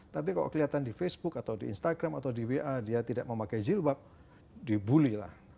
tapi kalau kelihatan di facebook atau di instagram atau di wa dia tidak memakai jilbab dibully lah